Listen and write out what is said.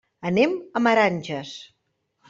Anem a Meranges.